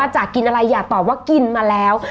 จะกินอะไรอย่าตอบว่ากินมาแล้ว